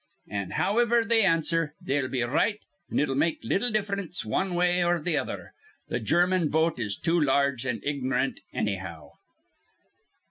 An', howiver they answer, they'll be right, an' it'll make little difference wan way or th' other. Th' German vote is too large an' ignorant, annyhow."